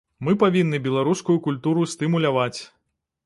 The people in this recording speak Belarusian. Мы павінны беларускую культуру стымуляваць.